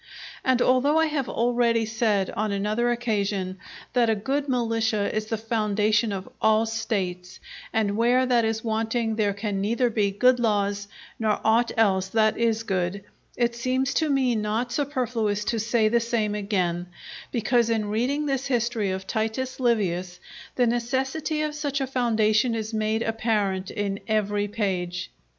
And although I have already said on another occasion that a good militia is the foundation of all States, and where that is wanting there can neither be good laws, nor aught else that is good, it seems to me not superfluous to say the same again; because in reading this history of Titus Livius the necessity of such a foundation is made apparent in every page.